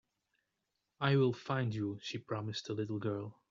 "I will find you.", she promised the little girl.